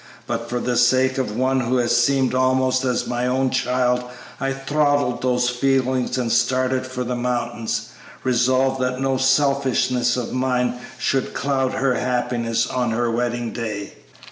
But for the sake of one who has seemed almost as my own child I throttled those feelings and started for the mountains, resolved that no selfishness of mine should cloud her happiness on her wedding day.